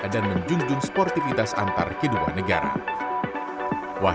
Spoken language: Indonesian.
menjunjung sportivitas antar kedua negara